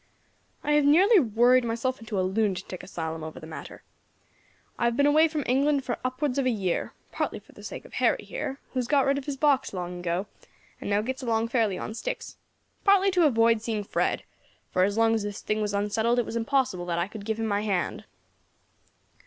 "I have nearly worried myself into a lunatic asylum over the matter. I have been away from England for upwards of a year partly for the sake of Harry here, who has got rid of his box long ago, and now gets along very fairly on sticks, partly to avoid seeing Fred, for as long as this thing was unsettled, it was impossible that I could give him my hand.